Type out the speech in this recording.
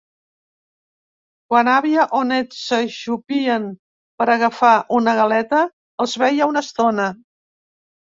Quan àvia o net s'ajupien per agafar una galeta els veia una estona.